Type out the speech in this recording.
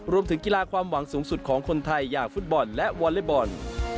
รวมถึงกีฬาความหวังสูงสุดของคนไทยอย่างฟุตบอลและวอเล็กบอล